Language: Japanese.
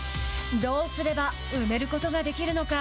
どうすれば埋めることができるのか。